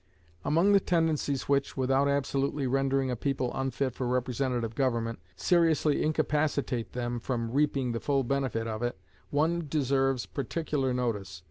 Among the tendencies which, without absolutely rendering a people unfit for representative government, seriously incapacitate them from reaping the full benefit of it, one deserves particular notice.